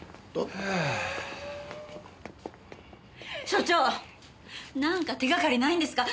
署長なんか手がかりないんですか？